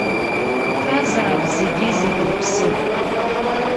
Иҭазаап зегьы-зегь рыԥсы.